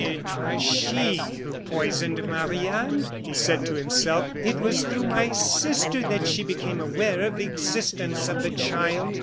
"It was she who poisoned Marie Anne," he said to himself. "It was through my sister that she became aware of the existence of the child.